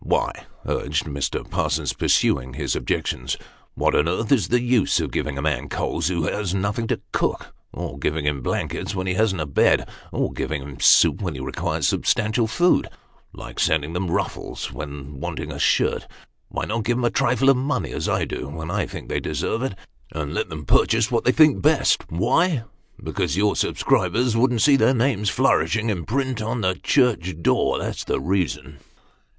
" Why," urged Mr. Parsons, pursuing his objections, " what on earth is the use of giving a man coals who has nothing to cook, or giving him blankets when he hasn't a bed, or giving him soup when he requires substantial food ?' like sending them ruffles when wanting a shirt.' Why not give 'em a trifle of money, as I do, when 1 think they deserve it, and let them purchase what they think best ? Why ? because your subscribers wouldn't see their names flourishing in print on the church door that's the reason."